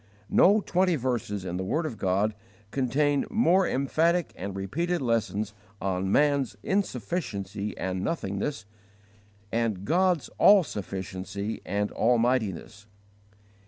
No twenty verses in the word of God contain more emphatic and repeated lessons on man's insufficiency and nothingness, and God's all sufficiency and almightiness.